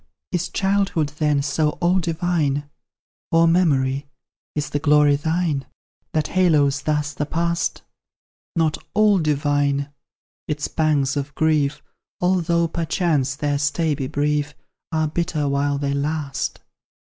Is childhood, then, so all divine? Or Memory, is the glory thine, That haloes thus the past? Not ALL divine; its pangs of grief (Although, perchance, their stay be brief) Are bitter while they last.